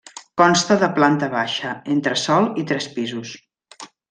Consta de planta baixa, entresòl i tres pisos.